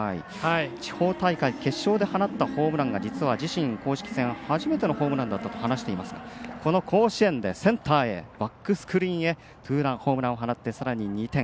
地方大会決勝で放ったホームランが実は自身公式戦初めてのホームランだったと話していますが、この甲子園でセンターへバックスクリーンへツーランホームランを放ってさらに２点。